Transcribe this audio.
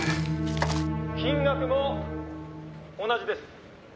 「金額も同じです。